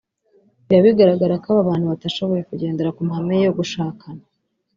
Biba bigaragara ko aba bantu batashoboye kugendera ku mahame yo gushakana